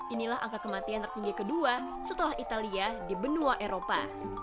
inilah angka kematian tertinggi kedua setelah italia di benua eropa